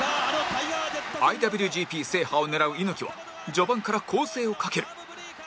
ＩＷＧＰ 制覇を狙う猪木は序盤から攻勢をかける